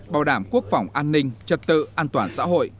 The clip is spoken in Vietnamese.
bảo đảm quốc phòng an ninh trật tự an toàn xã hội